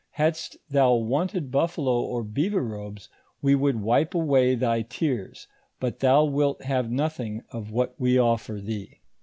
Hadst thou wanted buffalo or beaver robes, we would wipe away thy tears, but thou wilt have nothing of what we offer thee."